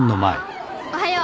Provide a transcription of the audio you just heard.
おはよう。